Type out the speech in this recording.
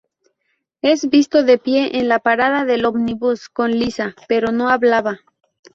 Es visto de pie en la parada del ómnibus con Lisa, pero no habla.